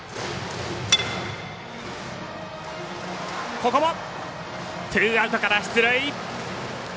ここもツーアウトから出塁。